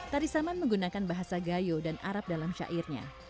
tarisaman menggunakan bahasa gayo dan arab dalam syairnya